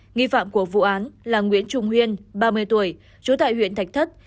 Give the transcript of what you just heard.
nghĩ phạm của vụ án là nguyễn trung huyên ba mươi tuổi chủ tại huyện thạch thức